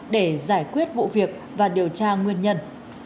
để giải quyết vụ việc và điều tra nguyên nhân